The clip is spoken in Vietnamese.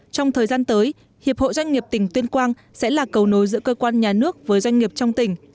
trong thời gian tới hiệp hội doanh nghiệp tỉnh tuyên quang sẽ là cầu nối giữa cơ quan nhà nước với doanh nghiệp trong tỉnh